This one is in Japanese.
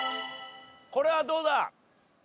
これはどうだ？